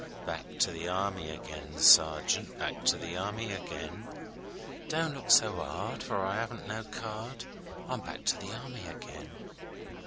Back to the Army again, sergeant, Back to the Army again. Don't look so 'ard, for I 'aven't no card, I'm back to the Army again!